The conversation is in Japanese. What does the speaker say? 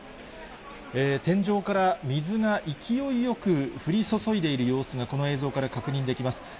天井から水が勢いよく、降り注いでいる様子が、この映像から確認できます。